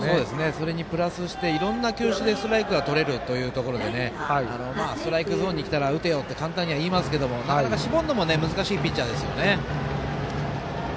それにプラスしていろんな球種でストライクがとれるというところでストライクゾーンにきたら打てよと簡単にはいいますけどなかなか絞るのも難しいピッチャーです。